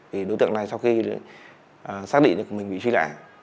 vì đối tượng này sau khi xác định được mình bị truy lã